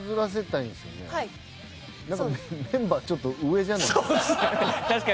なんかメンバーちょっと上じゃないですか？